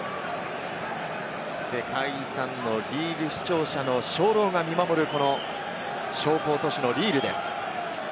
世界遺産のリール市庁舎の鐘楼が見守る小康都市のリールです。